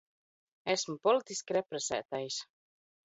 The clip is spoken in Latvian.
Esmu politiski repres?tais.